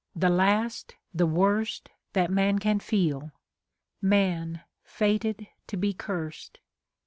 the last, the worst, That man can feel, — man, fated to be cursed